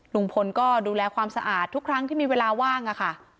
ลุงพลก็ดูแลความสะอาดทุกครั้งที่มีเวลาว่างอะค่ะ